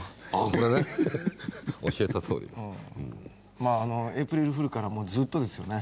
まああのエイプリル・フールからずっとですよね。